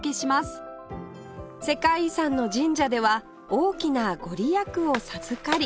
世界遺産の神社では大きな御利益を授かり